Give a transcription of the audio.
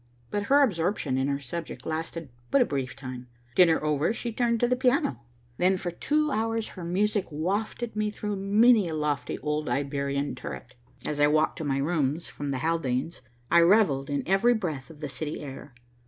But her absorption in her subject lasted but a brief time. Dinner over she turned to the piano. Then for two hours her music wafted me through many a lofty old Iberian turret. As I walked to my rooms from the Haldanes', I revelled in every breath of the city air.